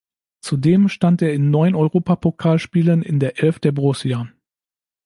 Zudem stand er in neun Europapokalspielen in der Elf der Borussia.